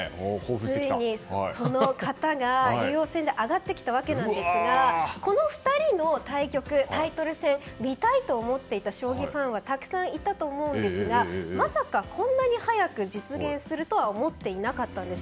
ついにその方が竜王戦で上がってきたわけなんですがこの２人の対局タイトル戦を見たいと思っていた将棋ファンはたくさんいたと思うんですがまさかこんなに早く実現するとは思っていなかったんです。